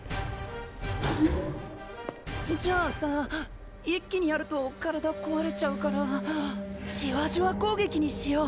じゃあさ一気にやると体壊れちゃうからジワジワ攻撃にしよう。